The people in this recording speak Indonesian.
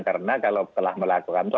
karena kalau telah melakukan itu